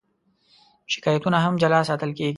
شکایتونه هم جلا ساتل کېږي.